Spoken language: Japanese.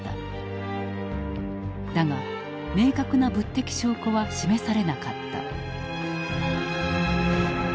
だが明確な物的証拠は示されなかった。